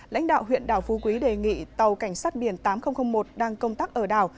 lãnh đạo huyện đảo phú quý đề nghị tàu cảnh sát biển tám nghìn một đang công tác ở đảo